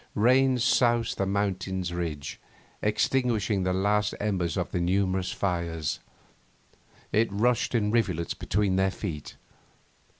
Rain soused the mountain ridge, extinguishing the last embers of the numerous fires. It rushed in rivulets between their feet.